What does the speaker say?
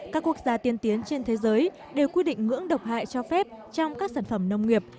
các quốc gia tiên tiến trên thế giới đều quy định ngưỡng độc hại cho phép trong các sản phẩm nông nghiệp